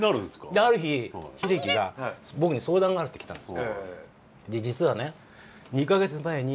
である日秀樹が僕に相談があるって来たんです。